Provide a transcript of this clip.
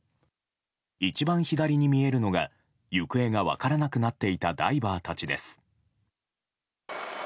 一番左に見えるのが行方が分からなくなっていたダイバーたちです。